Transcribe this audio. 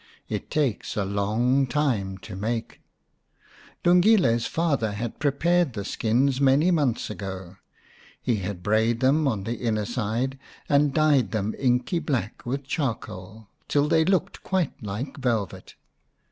It takes a long time to make, Lungile's father had prepared the skins many months ago. He had brayed them on the inner side and dyed them inky black with charcoal, till they looked quite like velvet.